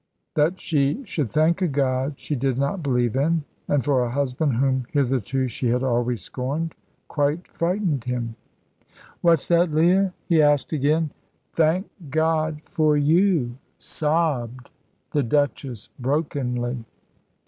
That she should thank a God she did not believe in, and for a husband whom hitherto she had always scorned, quite frightened him. "What's that, Leah?" he asked again. "Thank God for you," sobbed the Duchess, brokenly.